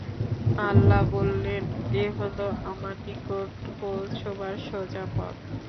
আল্লাহ বললেন, এ হলো আমার নিকট পৌঁছুবার সোজা পথ।